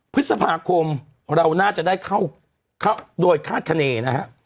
พฤษภาคมเราน่าจะได้เข้าโดยคาดคณีนะฮะ